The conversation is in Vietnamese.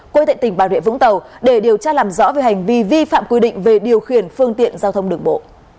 quê tại tỉnh bà rịa vũng tàu để điều tra làm rõ về hành vi vi phạm quy định về điều khiển phương tiện giao thông đường bộ